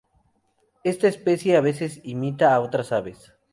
Esta especie a veces imita a otras aves.